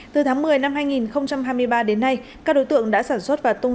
từ tháng một mươi năm hai nghìn hai mươi ba đến nay các đối tượng đã sản xuất và tung